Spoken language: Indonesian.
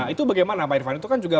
itu bagaimana pak irfan itu kan juga